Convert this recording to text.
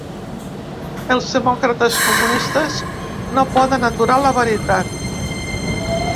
Els demòcrates comunistes no poden aturar la veritat.